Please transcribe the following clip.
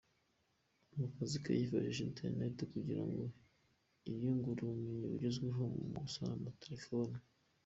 Mu kazi ke yifashisha interineti kugira ngo yiyungure ubumenyi bugezweho mu gusana amatelefoni.